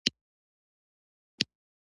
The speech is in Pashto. اروایي حالت یې امکان ورکوي.